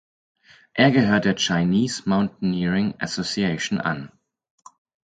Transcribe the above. Er gehört der Chinese Mountaineering Association an.